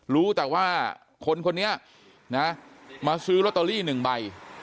รู้แต่ว่าคนคนนี้มาซื้อโรตเตอรี่หนึ่งใบ